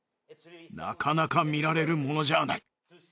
なかなか見られるものじゃない。